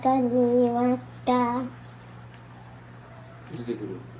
出てくる。